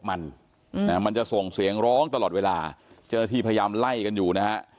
มันมันจะส่งเสียงร้องตลอดเวลาเจ้าหน้าที่พยายามไล่กันอยู่นะฮะ